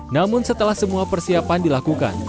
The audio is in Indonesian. namun setelah semua persiapan dilakukan